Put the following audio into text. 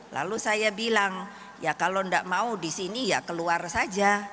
lalu saya bilang ya kalau tidak mau di sini ya keluar saja